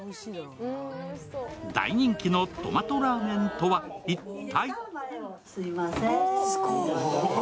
大人気のトマトラーメンとは一体？